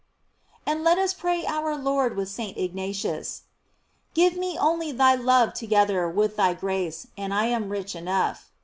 And let us pray our Lord with St. Ig natius: Give me only thy love together with thy grace, and I am rich enough.